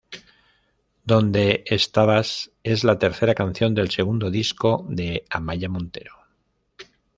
Donde estabas es la tercera canción del segundo disco de Amaia Montero.